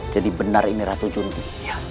jadi benar ini ratu jundia